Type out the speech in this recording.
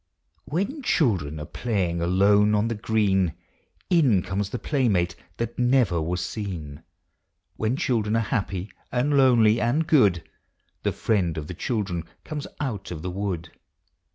When children arc playing alone on the green, In comes the playmate that never was seen. When children are happy and lonely and good, The Friend of the Children comes out of the wood.